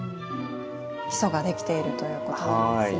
基礎ができているということなんですね。